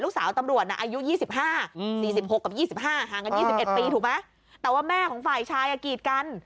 สาวตำรวจน่ะอายุ๒๕๔๖กับ๒๕ห่างกัน๒๑ปีถูกไหมแต่ว่าแม่ของฝ่ายชายกีดกัน